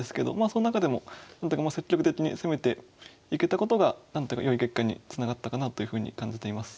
その中でもなんとか積極的に攻めていけたことがなんとかよい結果につながったかなというふうに感じています。